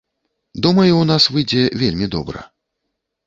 Думаю, у нас выйдзе вельмі добра.